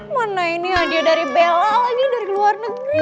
mana ini hadiah dari bella lagi dari luar negeri